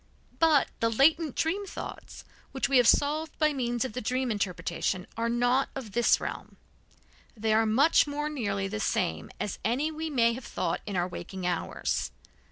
But the latent dream thoughts, which we have solved by means of the dream interpretation, are not of this realm. They are much more nearly the same as any we may have thought in our waking hours.